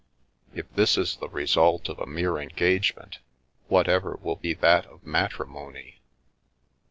If this is the result of a mere engage ment, whatever will be that of matrimony